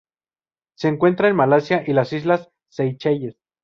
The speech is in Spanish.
Se encuentra en Malasia y las islas Seychelles